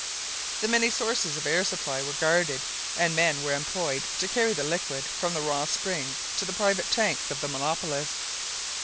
The many sources of air supply were guarded and men were employed to carry the liquid from the raw springs to the private tanks of the monopolists.